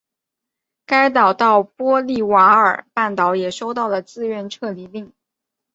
该岛到波利瓦尔半岛也收到了自愿撤离令。